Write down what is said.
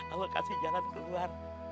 allah kasih jalan keluar